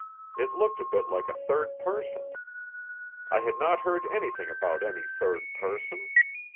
It looked a bit like a third person. I had not heard anything about any third person.